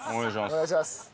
お願いします。